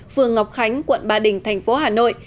phường ngọc khánh quận ba đình thành phố hà nội